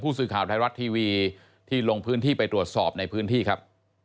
สื่อข่าวไทยรัฐทีวีที่ลงพื้นที่ไปตรวจสอบในพื้นที่ครับ